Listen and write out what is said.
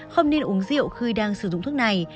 không nên uống rượu khi đang sử dụng thuốc này